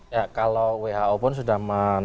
ya kalau who pun sudah